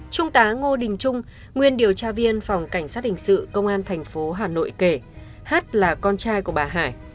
trung tá ngô đình trung nguyên điều tra viên phòng cảnh sát hình sự công an thành phố hà nội kể hát là con trai của bà hải